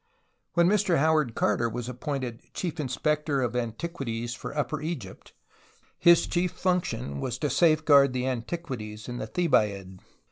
When JNIr Howard Carter was appointed Cliief Inspector of Antiquities for Upper Egypt his chief function was to safeguard the antiquities in the Thebaid.